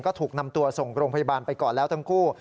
ก็ถูกนำตัวส่งโรงพยาบาลไปก่อนแล้วทั้งคู่